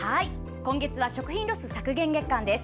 今月は食品ロス削減月間です。